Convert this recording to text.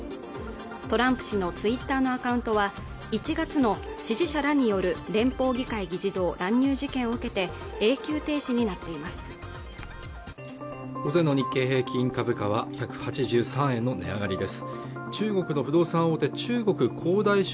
トランプ氏のツイッターのアカウントは１月の支持者らによる連邦議会議事堂乱入事件を受けて永久停止になっています